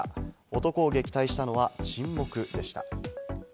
男を撃退したのは沈黙でした。